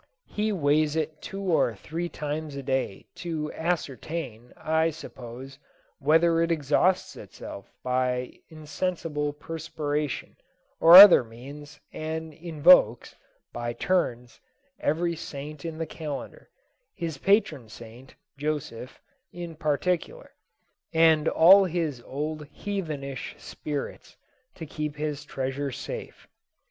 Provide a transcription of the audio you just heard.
He weighs it two or three times a day, to ascertain, I suppose, whether it exhausts itself by insensible perspiration, or other means, and invokes, by turns, every saint in the calendar his patron saint, Joseph, in particular and all his old heathenish spirits, to keep his treasure safe.